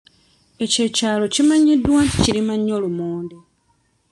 Ekyo ekyalo kimanyiddwa nti kirima nnyo lumonde.